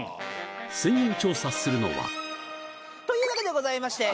潜入調査するのはというわけでございまして。